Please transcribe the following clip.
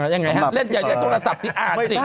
ยังไงฮะเล่นใหญ่โทรศัพท์อ่านสิ